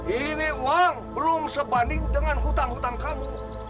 ini uang belum sebanding dengan hutang hutang kami